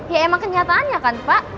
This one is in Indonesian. ya emang kenyataannya kan pak